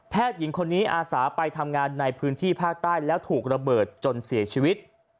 หญิงคนนี้อาสาไปทำงานในพื้นที่ภาคใต้แล้วถูกระเบิดจนเสียชีวิต